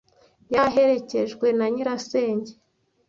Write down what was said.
Yari aherekejwe na nyirasenge.